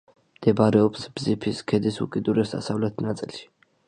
მდებარეობს ბზიფის ქედის უკიდურეს დასავლეთ ნაწილში.